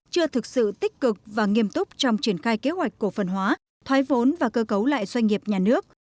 chưa thực sự tích cực và nghiêm túc trong triển khai kế hoạch cổ phần hóa thoái vốn và cơ cấu lại doanh nghiệp nhà nước